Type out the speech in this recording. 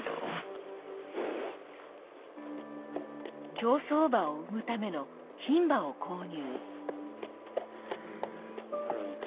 競走馬を産むためのひん馬を購入。